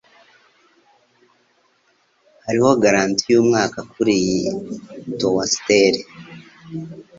Hariho garanti yumwaka kuriyi toasteri.